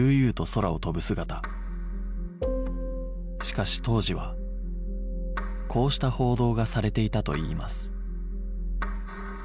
しかし当時はこうした報道がされていたといいます